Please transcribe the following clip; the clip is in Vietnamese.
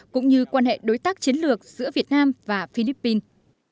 cũng như quan hệ đối tác chiến lược giữa việt nam và philippines